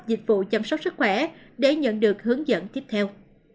dịch vụ chăm sóc sức khỏe để nhận được hướng dẫn tiếp theo